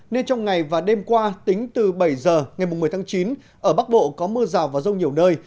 nên trong ngày và đêm qua tính từ bảy giờ ngày một mươi tháng chín ở bắc bộ có mưa rào và rông nhiều nơi